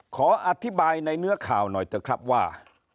ขออธิบายในเนื้อข่าวหน่อยเถอะครับว่า